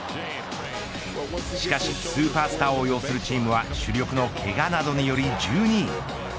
しかしスーパースターを擁するチームは主力のけがなどにより１２位。